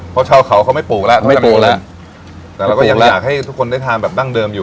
เพราะชาวเขาเขาไม่ปลูกแล้วไม่ปลูกแล้วแต่เราก็ยังอยากให้ทุกคนได้ทานแบบดั้งเดิมอยู่